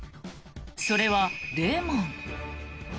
それは、レモン。